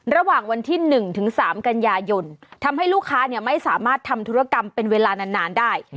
ระหว่างวันที่๑ถึง๓กันยายนทำให้ลูกค้าไม่สามารถทำธุรกรรมเป็นเวลานานได้